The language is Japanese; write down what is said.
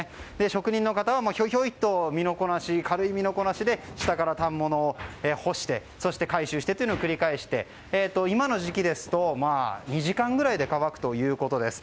職人の方はひょひょいと軽い身のこなしで下から反物を干してそして回収してというのを繰り返して今の時期ですと２時間ぐらいで乾くということです。